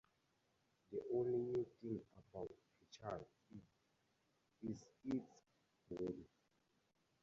The only new thing about a child is its body.